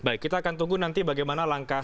baik kita akan tunggu nanti bagaimana langkah